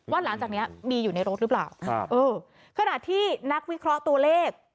หลังจากเนี้ยมีอยู่ในรถหรือเปล่าครับเออขณะที่นักวิเคราะห์ตัวเลข